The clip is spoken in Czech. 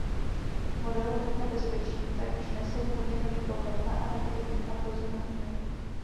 Model nebezpečí tak přinesl úplně nový pohled na adaptivní a vrozenou imunitu.